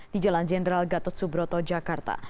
di jalan jenderal gatot subroto jakarta